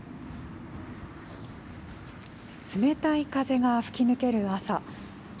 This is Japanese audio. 冷たい風が吹き抜ける朝。